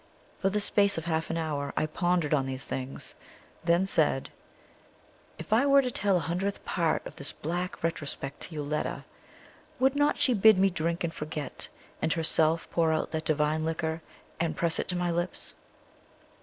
For the space of half an hour I pondered on these things, then said: "If I were to tell a hundredth part of this black retrospect to Yoletta, would not she bid me drink and forget, and herself pour out the divine liquor, and press it to my lips?"